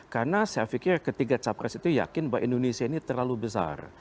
karena saya pikir ketiga capres itu yakin bahwa indonesia ini terlalu besar